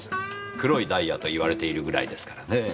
黒いダイヤと言われているぐらいですからねぇ。